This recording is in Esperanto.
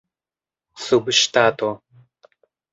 subŝtato